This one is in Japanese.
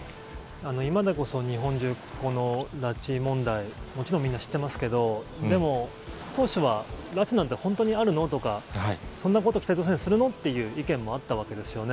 今でこそ日本中、この拉致問題、もちろん、みんな知ってますけど、でも当初は、拉致なんて本当にあるの？とか、そんなこと、北朝鮮するの？っていう意見もあったわけですよね。